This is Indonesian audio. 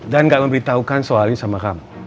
dan gak memberitahukan soalnya sama kamu